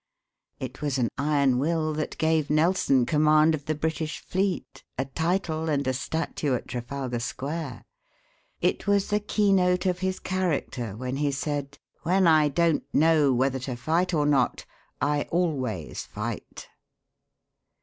It was an iron will that gave Nelson command of the British fleet, a title, and a statue at Trafalgar Square It was the keynote of his character when he said, "When I don't know whether to fight or not, I always fight."